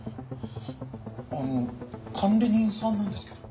あの管理人さんなんですけど。